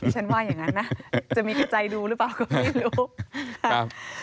ฉันว่าอย่างนั้นนะจะมีใครใจดูหรือเปล่าก็ไม่รู้ครับ